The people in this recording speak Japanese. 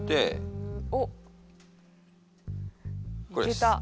いけた。